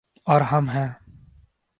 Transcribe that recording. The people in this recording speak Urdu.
اور ہم ہیں۔